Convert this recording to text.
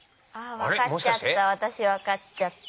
分かっちゃった。